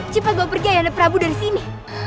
cepat gue pergi ayahanda prabu dari sini